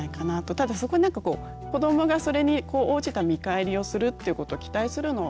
ただそこになんかこう子どもがそれに応じた見返りをするっていうことを期待するのはおかしくて。